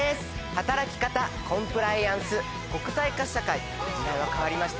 働き方コンプライアンス国際化社会時代は変わりました。